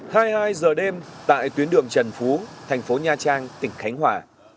hai mươi hai giờ đêm tại tuyến đường trần phú thành phố nha trang tỉnh khánh hòa